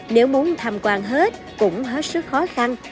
nếu muốn tham quan hết cũng hết sức khó khăn